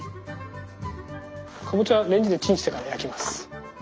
かぼちゃはレンジでチンしてから焼きます。